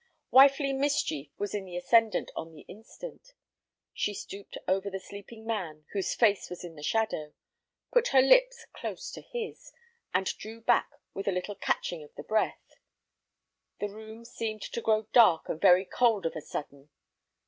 Wifely mischief was in the ascendant on the instant. She stooped over the sleeping man whose face was in the shadow, put her lips close to his, and drew back with a little catching of the breath. The room seemed to grow dark and very cold of a sudden.